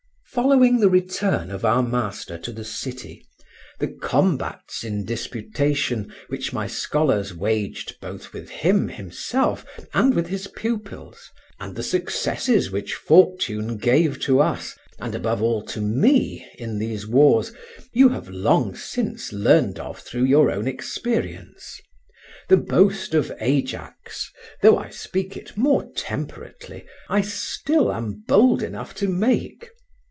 Following the return of our master to the city, the combats in disputation which my scholars waged both with him himself and with his pupils, and the successes which fortune gave to us, and above all to me, in these wars, you have long since learned of through your own experience. The boast of Ajax, though I speak it more temperately, I still am bold enough to make